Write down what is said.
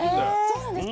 そうなんです。